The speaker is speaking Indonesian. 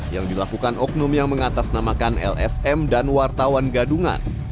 yang dilakukan oknum yang mengatasnamakan lsm dan wartawan gadungan